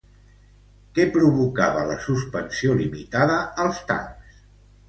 Què provocava la suspensió limitada als tancs?